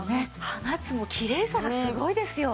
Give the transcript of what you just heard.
放つきれいさがすごいですよ。